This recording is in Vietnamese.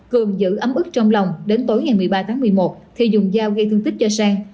cường giữ ấm ức trong lòng đến tối ngày một mươi ba tháng một mươi một thì dùng dao gây thương tích cho sang